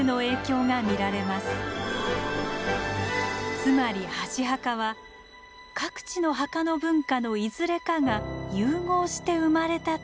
つまり箸墓は各地の墓の文化のいずれかが融合して生まれたと考えられるのです。